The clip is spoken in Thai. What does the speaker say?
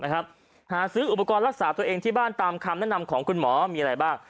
หาซื้ออุปกรณ์รักษาตัวเองที่บ้านตามคำแนะนำของคุณหมอมีอะไรบ้าง